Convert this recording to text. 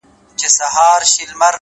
ریښتینی عزت اخیستل نه بلکې ګټل کېږي،